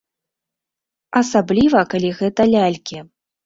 Асабліва, калі гэта лялькі.